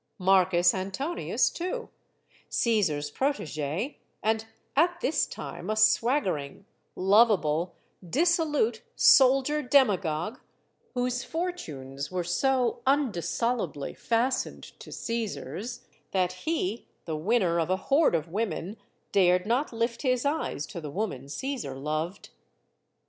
Marcus Antonius, too, Caesar's protege, and at this time a swaggering, lovable, dissolute soldier demagogue, whose fortunes were so undissolubly fastened to Caesar's that he, the winner of a horde of women, dared not lift his eyes to the woman Caesar loved.